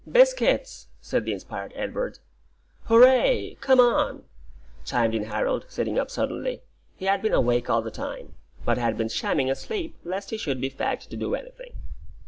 "Biscuits!" said the inspired Edward. "Hooray! Come on!" chimed in Harold, sitting up suddenly. He had been awake all the time, but had been shamming asleep, lest he should be fagged to do anything.